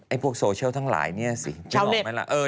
ไอ้พวกโซเชียลทั้งหลายเนี่ยสิ